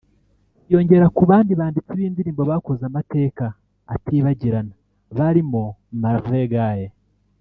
yiyongera ku bandi banditsi b’indirimbo bakoze amateka atibagirana barimo Marvin Gaye